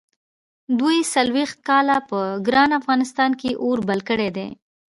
دوی څلوېښت کاله په ګران افغانستان کې اور بل کړی دی.